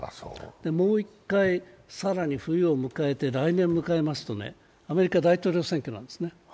もう１回更に冬を迎えて来年迎えますと、アメリカ大統領選挙なんですね。